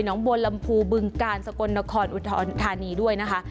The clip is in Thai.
หนองบนลำภูบึงกาณสกลนครอุทธานีด้วยนะคะ